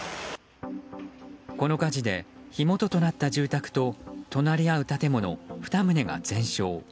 この火事で火元となった住宅と隣り合う建物２棟が全焼。